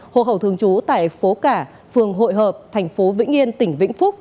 hộ khẩu thường trú tại phố cả phường hội hợp tp vĩnh yên tỉnh vĩnh phúc